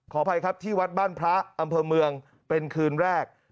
อภัยครับที่วัดบ้านพระอำเภอเมืองเป็นคืนแรก